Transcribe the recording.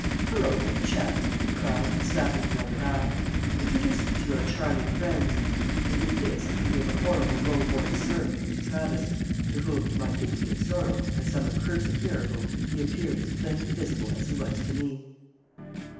"Hullo, old chappie!" he cried, slapping me on my back. "Introduce me to your charming friends," and with this he gave a horrible low born smirk at Miss Travis, to whom, to my infinite sorrow, by some accursed miracle, he appeared as plainly visible as he was to me.